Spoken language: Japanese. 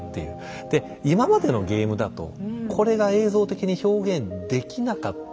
で今までのゲームだとこれが映像的に表現できなかったんですよね。